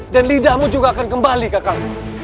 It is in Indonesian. dan lidahmu juga akan kembali kakak